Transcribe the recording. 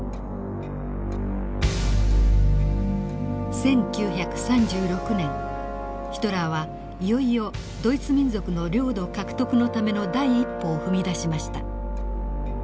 １９３６年ヒトラーはいよいよドイツ民族の領土獲得のための第一歩を踏み出しました。